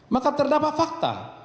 maka terdapat fakta